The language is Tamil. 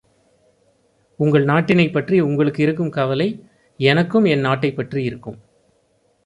உங்கள் நாட்டினைப் பற்றி உங்களுக்கு இருக்கும் கவலை, எனக்கும் என் நாட்டைப் பற்றி இருக்கும்.